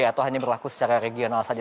atau hanya berlaku secara regional saja